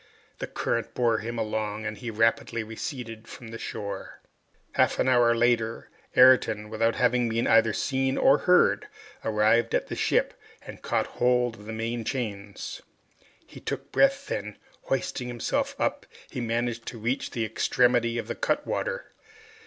The current bore him along and he rapidly receded from the shore. Half an hour afterwards, Ayrton, without having been either seen or heard, arrived at the ship and caught hold of the main chains. He took breath, then, hoisting himself up, he managed to reach the extremity of the cutwater.